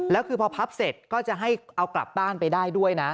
แล้วคือพอพับเสร็จก็จะให้เอากลับบ้านไปได้ด้วยนะ